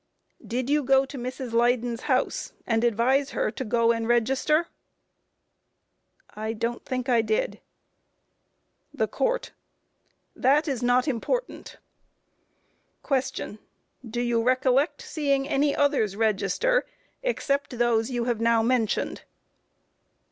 Q. Did you go to Mrs. Leyden's house and advise her to go and register? A. I don't think I did. THE COURT: That is not important. Q. Do you recollect seeing any others register except those you have now mentioned?